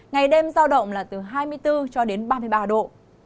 ngày đêm giao động là từ hai mươi bốn cho đến ba mươi ba độ